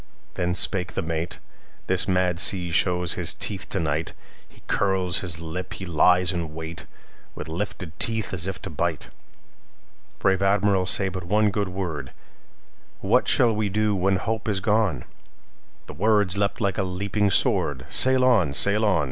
Then spake the mate:"This mad sea shows his teeth to night. He curls his lip, he lies in wait, With lifted teeth, as if to bite! Brave Admiral, say but one good word:What shall we do when hope is gone?"The words leapt like a leaping sword:"Sail on! sail on!